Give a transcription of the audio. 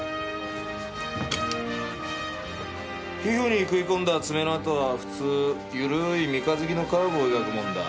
皮膚に食い込んだ爪の痕は普通ゆるい三日月のカーブを描くもんだ。